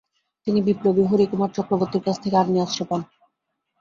তিনি বিপ্লবী হরিকুমার চক্রবর্তীর কাছ থেকে আগ্নেয়াস্ত্র পান।